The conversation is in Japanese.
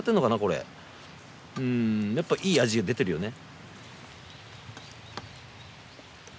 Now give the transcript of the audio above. やっぱいい味が出てるよね。